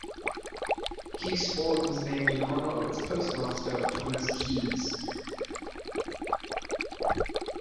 Keyesport was named in honor of its postmaster, Thomas Keyes.